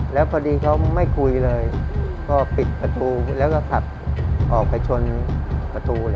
แล้วพอดีเขาไม่คุยเลยก็ปิดประตูแล้วก็ขับออกไปชนประตูเลย